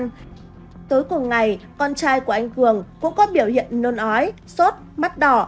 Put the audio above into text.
hôm ngày con trai của anh cường cũng có biểu hiện nôn ói sốt mắt đỏ